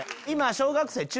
今小学生？